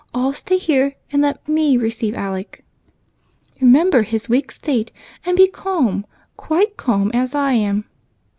All stay here, and let me receive Alec. Remember his weak state, and be calm, quite calm, as I am.'